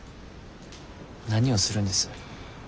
何をするんです